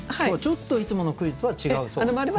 今日はちょっといつものクイズとは違うそうですね。